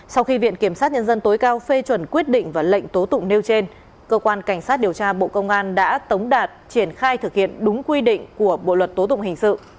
sau khi viện kiểm sát nhân dân tối cao phê chuẩn quyết định và lệnh tố tụng nêu trên cơ quan cảnh sát điều tra bộ công an đã tống đạt triển khai thực hiện đúng quy định của bộ luật tố tụng hình sự